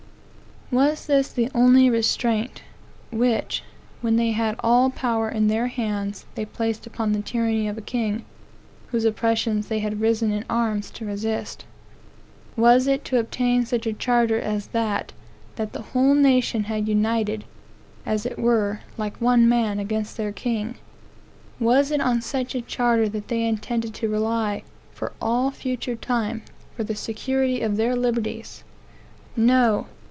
Was this the only restraint, which, when they had all power in their hands, they placed upon the tyranny of a king, whose oppressions they had risen in arms to resist? Was it to obtain such a charter as that, that the whole nation had united, as it were, like one man, against their king? Was it on such a charter that they intended to rely, for all future time, for the security of their liberties? No.